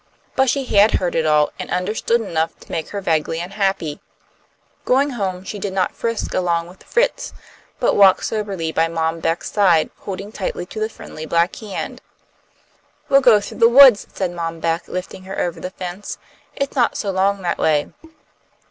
But she had heard it all, and understood enough to make her vaguely unhappy. Going home she did not frisk along with Fritz, but walked soberly by Mom Beck's side, holding tight to the friendly black hand. "We'll go through the woods," said Mom Beck, lifting her over the fence. "It's not so long that way."